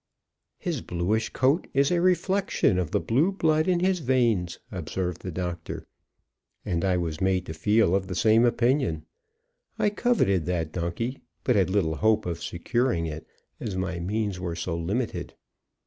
"His bluish coat is a reflection of the blue blood in his veins," observed the doctor; and I was made to feel of the same opinion. I coveted that donkey, but had little hope of securing it, as my means were so limited.